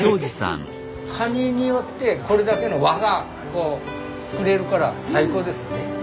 カニによってこれだけの輪がこう作れるから最高ですね。